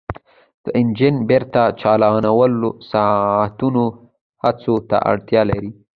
د انجن بیرته چالانول ساعتونو هڅو ته اړتیا لري